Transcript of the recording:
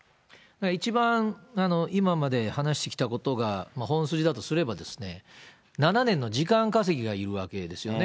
一番今まで話してきたことが本筋だとすれば、７年の時間稼ぎがいるわけですよね。